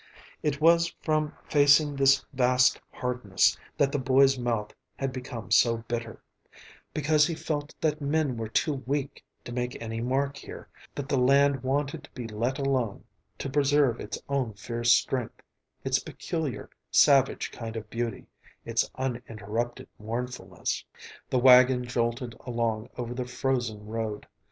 It was from facing this vast hardness that the boy's mouth had become so bitter; because he felt that men were too weak to make any mark here, that the land wanted to be let alone, to preserve its own fierce strength, its peculiar, savage kind of beauty, its uninterrupted mournfulness. The wagon jolted along over the frozen road.